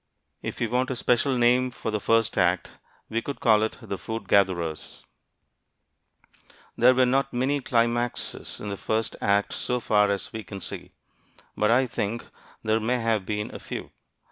If we want a special name for the first act, we could call it The Food Gatherers. There were not many climaxes in the first act, so far as we can see. But I think there may have been a few.